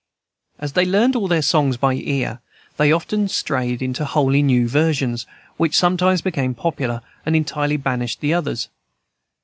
As they learned all their songs by ear, they often strayed into wholly new versions, which sometimes became popular, and entirely banished the others.